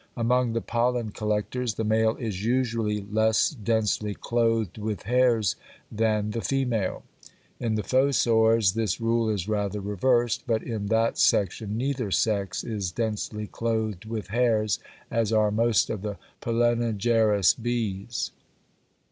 Among the pollen collectors, the male is usually less densely clothed with hairs than the [female]. In the fossors this rule is rather reversed, but in that section neither sex is densely clothed with hairs as are most of the pollenigerous bees.